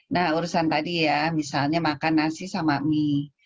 nah urusan tadi ya misalnya makan nasi sama mie